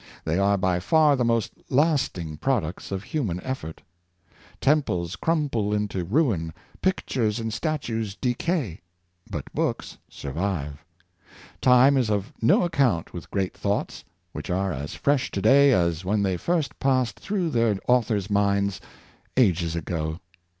They are by far the most lasting products of human effort. Tem ples crumble into ruin, pictures and statues decay, but books survive. Time is of no account with great thoughts, which are as fresh to day as when they first passed through their author's minds, ages ago.